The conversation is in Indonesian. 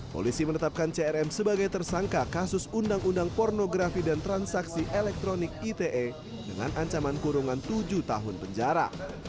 polisi menetapkan crm sebagai tersangka kasus undang undang pornografi dan transaksi elektronik ite dengan ancaman kurungan tujuh tahun penjara